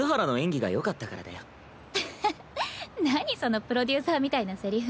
そのプロデューサーみたいなセリフ。